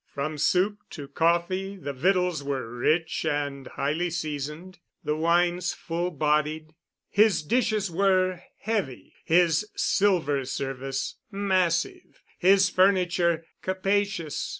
From soup to coffee the victuals were rich and highly seasoned, the wines full bodied; his dishes were heavy, his silver service massive, his furniture capacious.